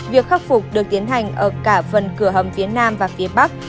việc khắc phục được tiến hành ở cả phần cửa hầm phía nam và phía bắc